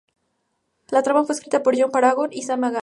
La trama fue escrita por John Paragon y Sam Egan.